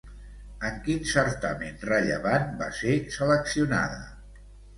En quin certamen rellevant va ser seleccionada?